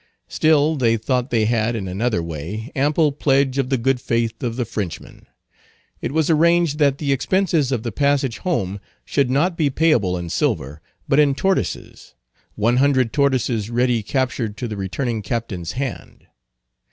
Still they thought they had, in another way, ample pledge of the good faith of the Frenchman. It was arranged that the expenses of the passage home should not be payable in silver, but in tortoises; one hundred tortoises ready captured to the returning captain's hand.